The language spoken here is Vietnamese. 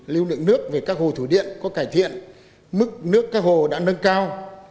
lưu lượng nước về các hồ thủy điện có cải thiện mức nước các hồ đã nâng cao